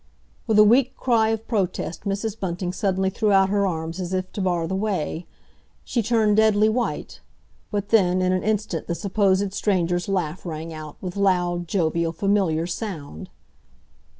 With a weak cry of protest Mrs. Bunting suddenly threw out her arms as if to bar the way; she turned deadly white—but then, in an instant the supposed stranger's laugh rang out, with loud, jovial, familiar sound!